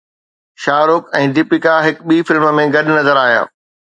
شاهه رخ ۽ ديپيڪا هڪ ٻي فلم ۾ گڏ نظر آيا